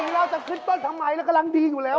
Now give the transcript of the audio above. เราจะขึ้นต้นทำไมเรากำลังดีอยู่แล้ว